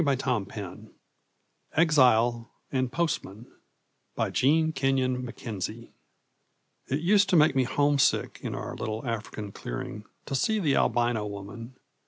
Exile and Postman By Jean Kenyon Mackenzie It used to make me homesick, in our little African clearing, to see the albino woman.